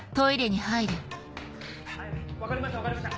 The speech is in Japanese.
・はい分かりました分かりました・